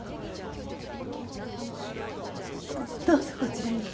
どうぞこちらに。